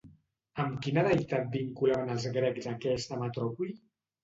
Amb quina deïtat vinculaven els grecs aquesta metròpoli?